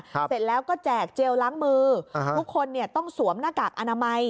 เสร็จแล้วก็แจกเจลล้างมืออ่าทุกคนเนี่ยต้องสวมหน้ากากอนามัย